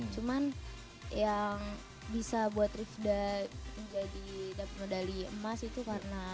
cuman yang bisa buat rifda menjadi dapat medali emas itu karena